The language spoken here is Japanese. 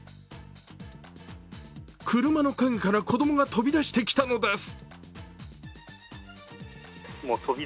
車の影から子供が飛び出してきたのです。